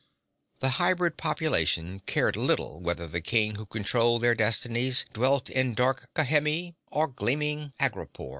The hybrid population cared little whether the king who controlled their destinies dwelt in dark Khemi or gleaming Aghrapur.